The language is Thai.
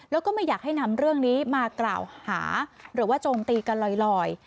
แล้วก็ไม่อยากให้นำเรื่องนี้มากล่าวหาหรือว่าโจมตีกันลอย